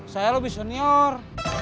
saya lebih senior